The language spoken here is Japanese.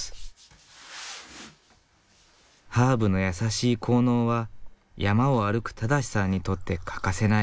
ハーブの優しい効能は山を歩く正さんにとって欠かせない。